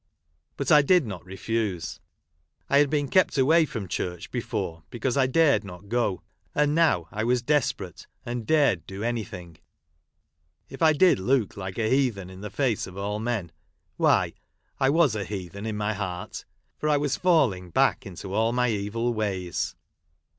But I did not refuse. I had been kept away from church before because I dared not go ; and now I was desperate and dared do anything. If I did look like a heathen in the face of all men, why I was a heathen in my heart ; for I was falling back into all my evil ways.